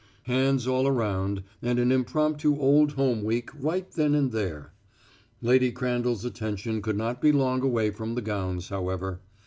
Hands all around and an impromptu old home week right then and there. Lady Crandall's attention could not be long away from the gowns, however.